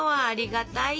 ありがと！